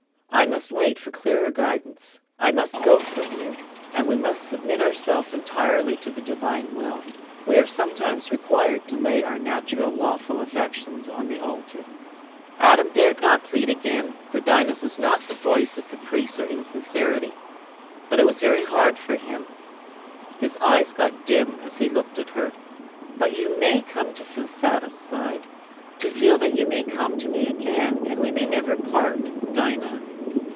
I must wait for clearer guidance. I must go from you, and we must submit ourselves entirely to the Divine Will. We are sometimes required to lay our natural lawful affections on the altar." Adam dared not plead again, for Dinah's was not the voice of caprice or insincerity. But it was very hard for him; his eyes got dim as he looked at her. "But you may come to feel satisfied... to feel that you may come to me again, and we may never part, Dinah?"